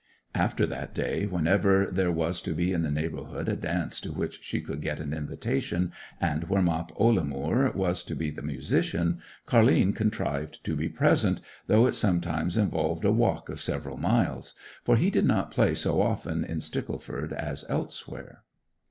After that day, whenever there was to be in the neighbourhood a dance to which she could get an invitation, and where Mop Ollamoor was to be the musician, Car'line contrived to be present, though it sometimes involved a walk of several miles; for he did not play so often in Stickleford as elsewhere.